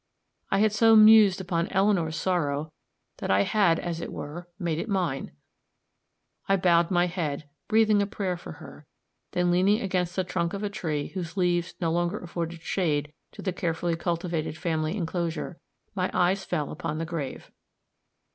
I had so mused upon Eleanor's sorrow that I had, as it were, made it mine. I bowed my head, breathing a prayer for her, then leaning against the trunk of a tree whose leaves no longer afforded shade to the carefully cultivated family inclosure, my eyes fell upon the grave.